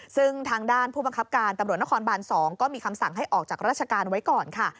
ซึ่งทางด้านผู้บังคับการตำรวจนครบาน๒ก็มีคำสั่งให้ออกจากราชการไว้ก่อนค่ะ